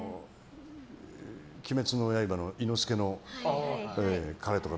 「鬼滅の刃」の伊之助の彼とか。